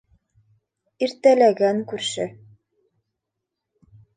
Иртәләгән күрше...